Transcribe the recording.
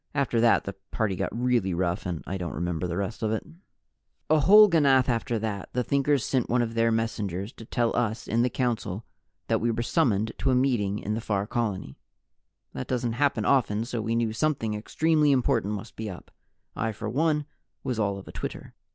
After that, the party got really rough, and I don't remember the rest of it. A whole ganath after that, the Thinkers sent one of their messengers to tell us in the Council that we were summoned to a meeting in the Far Colony. That doesn't happen often, so we knew something extremely important must be up. I for one was all of a twitter.